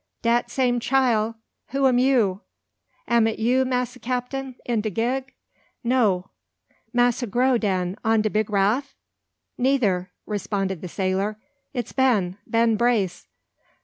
"Dat same chile, who am you? Am it you, massa Capten, in de gig?" "No." "Massa Grow, den, on de big raff?" "Neither," responded the sailor. "It's Ben, Ben Brace."